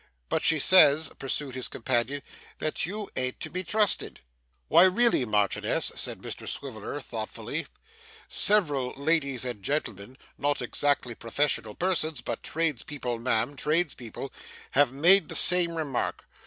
'But she says,' pursued his companion, 'that you an't to be trusted.' 'Why, really Marchioness,' said Mr Swiveller, thoughtfully; 'several ladies and gentlemen not exactly professional persons, but tradespeople, ma'am, tradespeople have made the same remark.